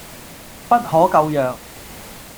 不可救藥